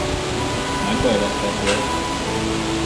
Nagy baj lesz ebből!